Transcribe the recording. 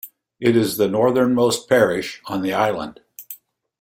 It is the northernmost parish on the island.